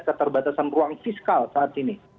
keterbatasan ruang fiskal saat ini